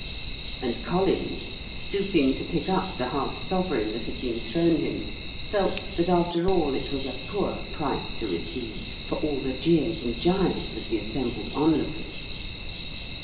And Collins, stooping to pick up the half sovereign that had been thrown him, felt that after all it was a poor price to receive for all the jeers and gibes of the assembled onlookers.